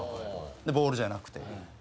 ボールじゃなくて。